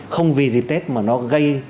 không vì dịp tết mà nó gây